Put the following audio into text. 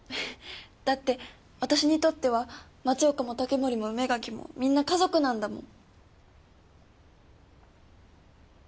だって私にとっては松岡も竹森も梅垣もみんな家族なんだもん。